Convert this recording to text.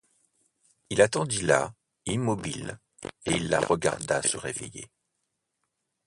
Il attendit là, immobile, et il la regarda se réveiller.